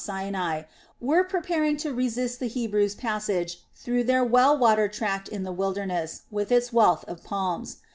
Sinai, were preparing to resist the Hebrews' passage through their well watered tract in the wilderness with its wealth of palms.